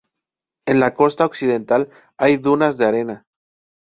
En la costa occidental hay dunas de arena.